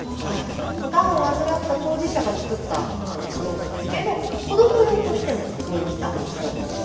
がんを患った当事者が作ったスプーンなんですけれど子ども用としても人気だそうなんです。